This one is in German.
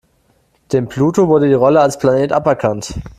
Dem Pluto wurde die Rolle als Planet aberkannt.